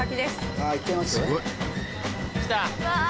あっいっちゃいます？